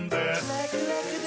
ラクラクだ！